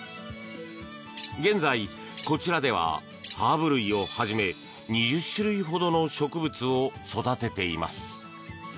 現在、こちらではハーブ類をはじめ２０種類ほどの植物を育てています。